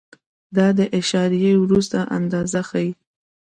دا د اعشاریې وروسته اندازه ښیي.